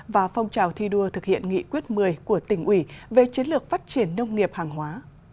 và phong trào thi đua thực hiện nghị quyết một mươi của tỉnh ủy về chiến lược phát triển nông nghiệp hàng hóa